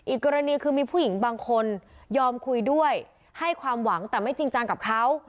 อีกกรณีคือมีผู้หญิงบางคนยอมคุยด้วยให้ความหวังแต่ไม่จริงจังกับเขา